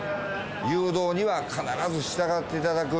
誘導には必ず従っていただく。